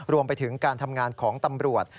รวมไปถึงการทำงานของตำรวจ